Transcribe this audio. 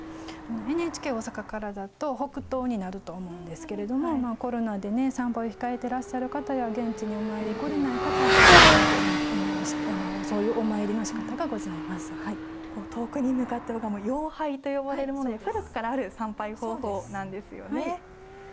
ＮＨＫ大阪からだと、北東になると思うんですけれども、コロナで参拝を控えるかたや現地にお参り来れない方、そういうお遠くに向かって拝む、向かったほうが遥拝と呼ばれるものなんですが、古くからある参拝方法なんですよね。